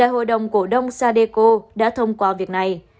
hội đồng cổ đông sadeco đã thông qua việc này